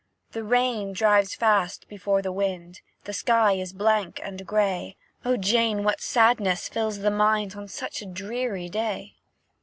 The rain drives fast before the wind, The sky is blank and grey; O Jane, what sadness fills the mind On such a dreary day!"